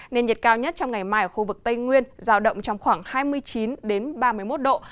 nên nhiệt cao nhất trong ngày mai ở khu vực tây nguyên giao động trong khoảng hai mươi chín ba mươi một độ